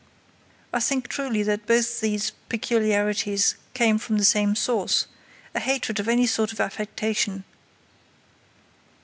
I think truly that both these peculiarities came from the same source, a hatred of any sort of affectation.